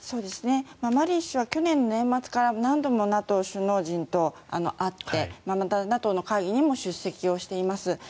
マリン首相は去年の年末から何度もＮＡＴＯ首脳陣と会ってまたＮＡＴＯの会議にも出席をしています。